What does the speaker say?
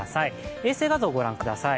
衛星画像をご覧ください。